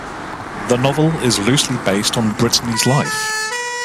The novel is loosely based on Britney's life.